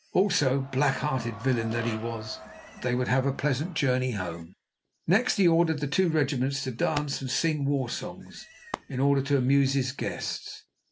Also, black hearted villain that he was, that they would have a pleasant journey home. Next he ordered the two regiments to dance and sing war songs, in order to amuse his guests.